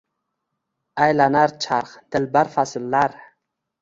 Аylanar charx, dilbar fasllar